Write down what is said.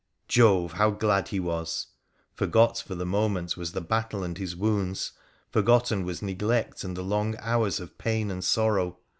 Jove ! how glad he was ! Forgot for the moment was the battle and his wounds, forgotten was neglect and the long hours of pain and sorrow